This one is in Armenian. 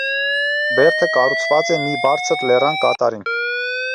Բերդը կառուցված է մի բարձր լեռան կատարին։